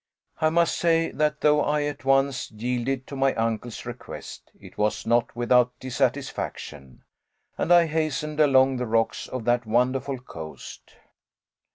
I must say that though I at once yielded to my uncle's request, it was not without dissatisfaction, and I hastened along the rocks of that wonderful coast.